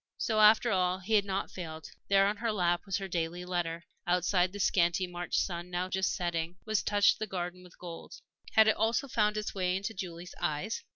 So, after all, he had not failed; there on her lap was her daily letter. Outside the scanty March sun, now just setting, was touching the garden with gold. Had it also found its way into Julie's eyes?